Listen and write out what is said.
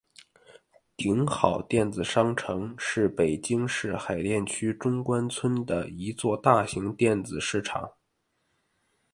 鼎好电子商城是北京市海淀区中关村的一座大型电子市场。